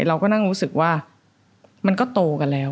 เราก็นั่งรู้สึกว่ามันก็โตกันแล้ว